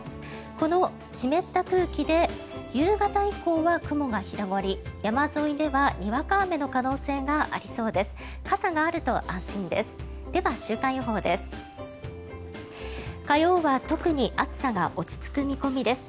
この湿った空気で夕方以降は雲が広がり、山沿いではにわか雨の可能性がありそうです。